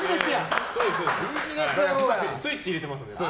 スイッチ入れてますから。